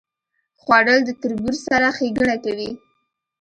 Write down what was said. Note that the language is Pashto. خوړل د تربور سره ښېګڼه کوي